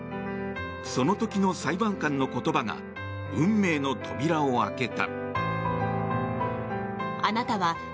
その時の裁判官の言葉が運命の扉を開けた。